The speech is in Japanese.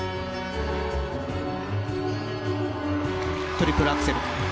トリプルアクセル。